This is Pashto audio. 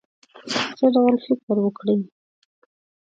څه ډول فکر وکړی.